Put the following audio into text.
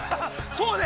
◆そうね。